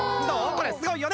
これすごいよね！